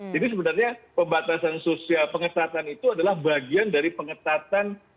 jadi sebenarnya pembatasan sosial pengetatan itu adalah bagian dari pengetatan